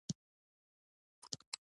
اصلي غلطي د خپلې غلطي نه منل دي.